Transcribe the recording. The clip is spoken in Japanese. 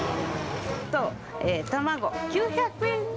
卵、９００円です。